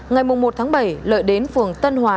ngày một bảy lợi đến phường tân hòa